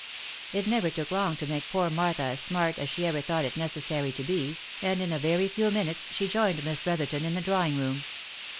It never took long to make poor Martha as smart as she ever thought it necessary to be, and in a very few minutes she joined Miss Brotherton in the drawing room.